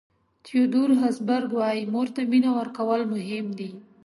تیودور هسبرګ وایي مور ته مینه ورکول مهم دي.